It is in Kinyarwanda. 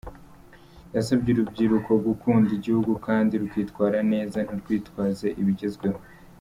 Yasabye urubyiruko gukunda igihugu kandi rukitwara neza ntirwitwaze ibigezweho.